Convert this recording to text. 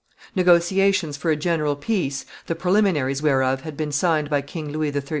Negotiations for a general peace, the preliminaries whereof had been signed by King Louis XIII.